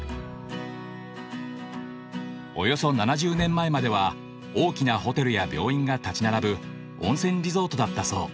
およそ７０年前までは大きなホテルや病院が立ち並ぶ温泉リゾートだったそう。